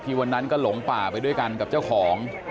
วันนั้นก็หลงป่าไปด้วยกันกับเจ้าของ